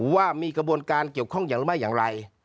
ว่ามีกระบวนการเกี่ยวข้องอย่างไร